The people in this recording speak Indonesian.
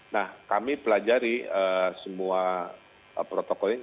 nah kami pelajari semua protokol ini